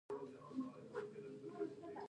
په علم کي باید د استادانو احترام وسي.